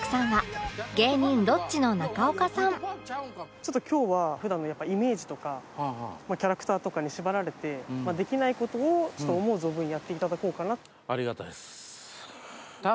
ちょっと今日は普段のイメージとかキャラクターとかに縛られてできない事を思う存分やっていただこうかなと。